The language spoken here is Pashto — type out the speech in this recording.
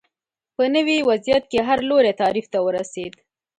په نوي وضعیت کې هر لوری تعریف ته ورسېد